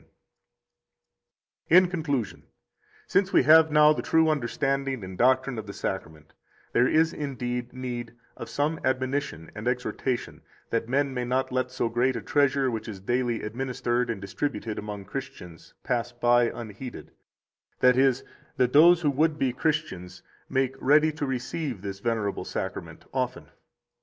39 In conclusion, since we have now the true understanding and doctrine of the Sacrament, there is indeed need of some admonition and exhortation, that men may not let so great a treasure which is daily administered and distributed among Christians pass by unheeded, that is, that those who would be Christians make ready to receive this venerable Sacrament often.